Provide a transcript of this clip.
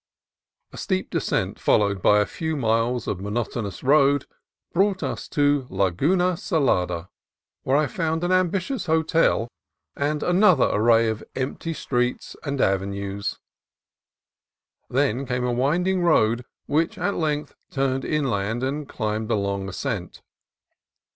A steep descent followed by a few miles of mo VIEW OF SAN FRANCISCO BAY 241 notorious road brought us to Laguna Salada, where I found an ambitious hotel and another array of empty streets and avenues. Then came a winding road, which at length turned inland and climbed a long ascent.